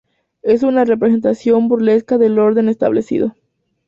Es una representación burlesca del orden establecido.